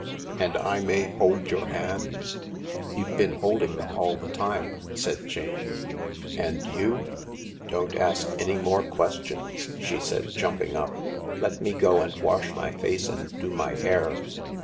" And I may hold your hands." " You've been holding them all the time/' said Jane, 288 THE LARK " And you ~"" Don't ask any more questions/' she said, jumping up. " Let me go and wash my face and do my hair."